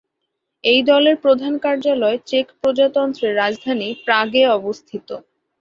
এই দলের প্রধান কার্যালয় চেক প্রজাতন্ত্রের রাজধানী প্রাগে অবস্থিত।